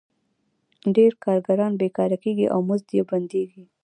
ډېر کارګران بېکاره کېږي او مزد یې بندېږي